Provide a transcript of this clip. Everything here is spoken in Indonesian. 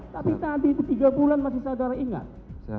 tapi tadi itu tiga bulan masih saudara ingat